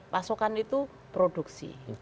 pasokan itu produksi